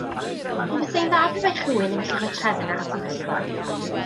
Mi fuasai'n dda pe bai rhywun yn gallu rhoi trefn ar y sefyllfa.